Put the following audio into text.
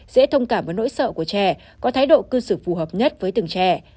dễ thông cảm với nỗi sợ của trẻ có thái độ cư xử phù hợp nhất với từng trẻ